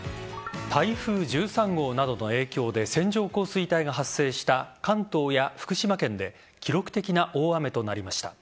台風１３号などの影響で線状降水帯が発生した関東や福島県で記録的な大雨となりました。